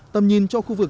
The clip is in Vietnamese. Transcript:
tầm nhìn cho khu vực